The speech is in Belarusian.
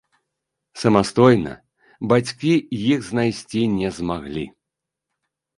Самастойна бацькі іх знайсці не змаглі.